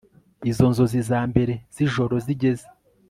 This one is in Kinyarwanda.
Iyo inzozi za mbere zijoro zigeze